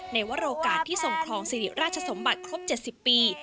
ในวรโอกาสที่ทรงครองสิริราชสมบัติครบ๗๐ปี